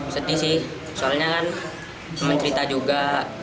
sedih sih soalnya kan pemerintah juga